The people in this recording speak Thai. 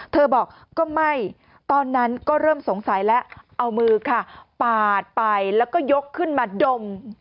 บอกก็ไม่ตอนนั้นก็เริ่มสงสัยแล้วเอามือค่ะปาดไปแล้วก็ยกขึ้นมาดม